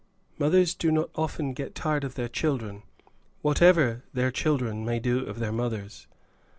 "Mothers do not often get tired of their children, whatever the children may do of their mothers."